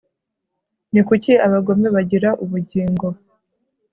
ni kuki abagome bagira ubugingo